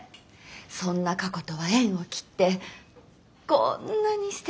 そんな過去とは縁を切ってこんなにすてきなお店を。